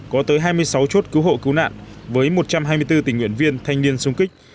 có tới hai mươi sáu chốt cứu hộ cứu nạn với một trăm hai mươi bốn tình nguyện viên thanh niên sung kích